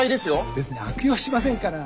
別に悪用しませんから。